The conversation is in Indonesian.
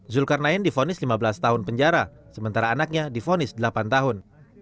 zulkarnain difonis lima belas tahun penjara sementara anaknya difonis delapan tahun